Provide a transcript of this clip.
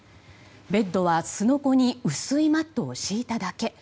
ベッドは、すのこに薄いマットを敷いただけ。